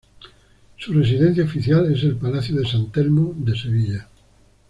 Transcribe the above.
Su residencia oficial es el Palacio de San Telmo de Sevilla.